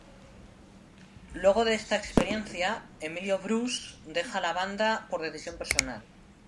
Luego de esta experiencia, Emilio Bruce deja la banda por decisión personal.